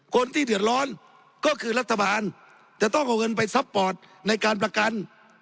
คนที่เดือดร้อนก็คือรัฐบาลจะต้องเอาเงินไปซัพปอร์ตในการประกัน